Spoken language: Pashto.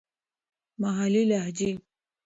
محلې لهجې.